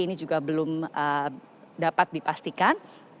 ini juga belum dapat dipastikan